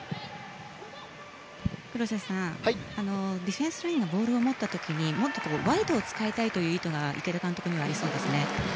黒瀬さんディフェンスラインがボールを持った時にもっとワイドを使いたいという意図が池田監督にはありそうですね。